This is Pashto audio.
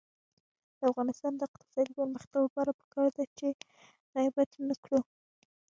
د افغانستان د اقتصادي پرمختګ لپاره پکار ده چې غیبت ونکړو.